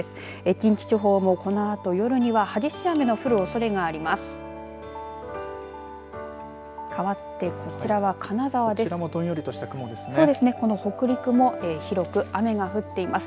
近畿地方もこのあと夜には激しい雨の降るおそれがあります。